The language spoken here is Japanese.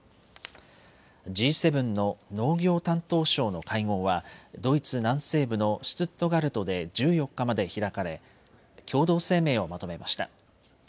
Ｇ７の農業担当相の会合はドイツ南西部のシュツットガルトで１４日まで開かれ共同声明をまとめました。